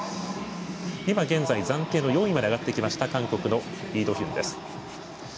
今現在暫定４位まで上がってきた韓国のイ・ドヒュン。